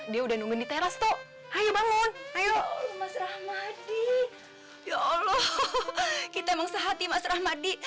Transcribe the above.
dia udah nungguin di teras tuh ayo bangun ayo mas rahmadi ya allah kita emang sehati mas rahmadi